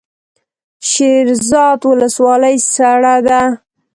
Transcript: د شیرزاد ولسوالۍ سړه ده